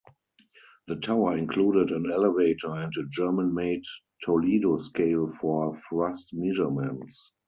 The tower included an elevator and a German-made Toledo scale for thrust measurements.